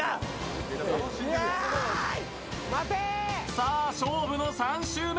さあ、勝負の３周目。